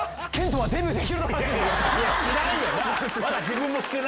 知らんよな！